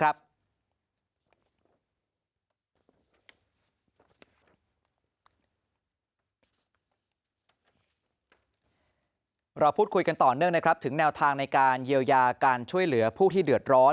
เราพูดคุยกันต่อเนื่องนะครับถึงแนวทางในการเยียวยาการช่วยเหลือผู้ที่เดือดร้อน